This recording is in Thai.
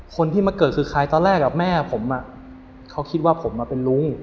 คนที่มาเกิดคือใครตอนแรกแม่ผมเขาคิดว่าผมเป็นลุง